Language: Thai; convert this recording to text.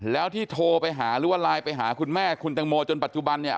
แล้วที่โทรไปหาหรือว่าไลน์ไปหาคุณแม่คุณตังโมจนปัจจุบันเนี่ย